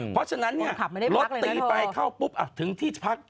เพราะฉะนั้นรถตีไปเข้าปุ๊บถึงที่พัก